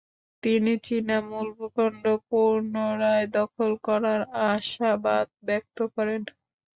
তিনি চীনা মূল ভূখণ্ড পুনরায় দখল করার আশাবাদ ব্যক্ত করেন।